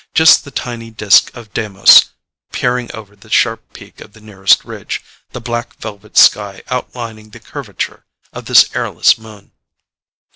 Just the tiny disk of Deimos peering over the sharp peak of the nearest ridge, the black velvet sky outlining the curvature of this airless moon.